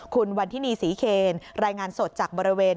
คุณวันทินีศรีเคนรายงานสดจากบริเวณ